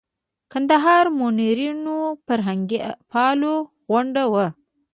د کندهار منورینو او فرهنګپالو غونډه وه.